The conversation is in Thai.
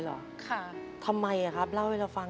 คุณหมอบอกว่าเอาไปพักฟื้นที่บ้านได้แล้ว